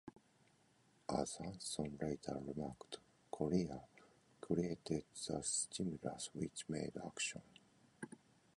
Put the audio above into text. As Acheson later remarked: Korea... created the stimulus which made action.